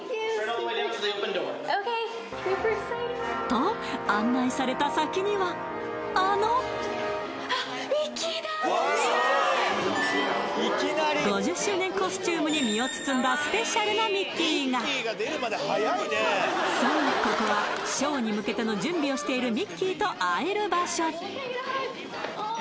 ＳｕｐｅｒｅｘｃｉｔｅｄＯｋａｙ，ｓｕｐｅｒｅｘｃｉｔｅｄと案内された先にはあの５０周年コスチュームに身を包んだスペシャルなミッキーがそうここはショーに向けての準備をしているミッキーと会える場所